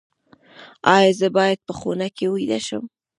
ایا زه باید په خونه کې ویده شم؟